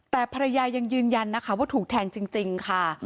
แต่ภรรยายังยืนยันนะคะว่าถูกแทงจริงค่ะ